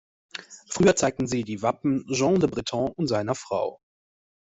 Früher zeigten sie die Wappen Jean Le Bretons und seiner Frau.